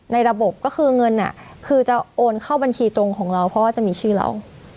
ในระบบก็คือเงินคือจะโอนเข้าบัญชีตรงของเราเพราะว่าจะมีชื่อเรา